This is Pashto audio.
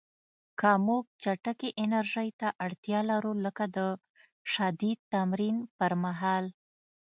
که موږ چټکې انرژۍ ته اړتیا لرو، لکه د شدید تمرین پر مهال